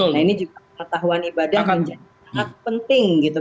nah ini juga pengetahuan ibadah menjadi sangat penting gitu